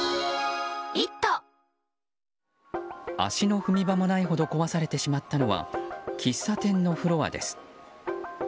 足の踏み場もないほど壊されてしまったのは喫茶店のフロアです。